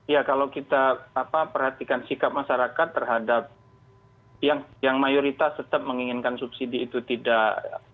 ya kalau kita perhatikan sikap masyarakat terhadap yang mayoritas tetap menginginkan subsidi itu tidak